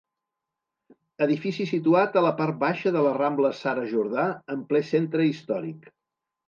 Edifici situat a la part baixa de la Rambla Sara Jordà en ple centre històric.